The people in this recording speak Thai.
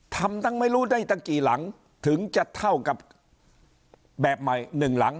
ทำตั้งไม่รู้ได้ตั้งกี่หลังถึงจะเท่ากับแบบใหม่หนึ่งหลัง